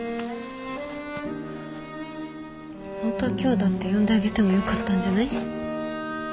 本当は今日だって呼んであげてもよかったんじゃない？